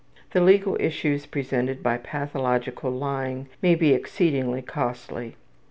The legal issues presented by pathological lying may be exceedingly costly.